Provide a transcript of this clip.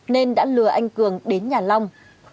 nên đã lừa anh cường đến nhà long